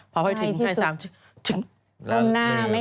พอเฮ้ทิกให้๒๓จน